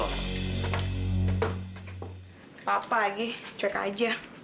nggak apa apa lagi cuek aja